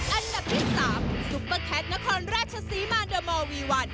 อันดับที่๓ซุปเปอร์แคทนครราชศรีมาเดอร์มอลวีวัน